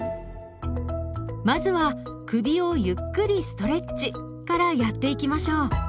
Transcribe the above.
まずは「首をゆっくりストレッチ」からやっていきましょう。